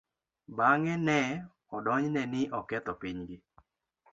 Bang'e, ne odonjne ni oketho pinygi.